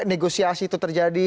negosiasi itu terjadi